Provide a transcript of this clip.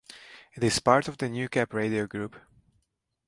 It is part of the Newcap Radio group.